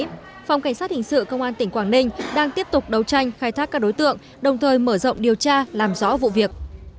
phòng cảnh sát hình sự công an tỉnh quảng ninh đang tiếp tục đấu tranh khai thác các đối tượng đồng thời mở rộng điều tra làm rõ vụ việc